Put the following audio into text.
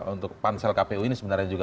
untuk pansel kpu ini sebenarnya juga